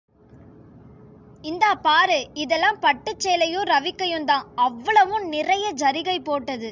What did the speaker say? இந்தா பாரு இதெல்லாம் பட்டுச் சேலையும் ரவிக்கையுந்தான் அவ்வளவும் நிறைய ஜரிகை போட்டது.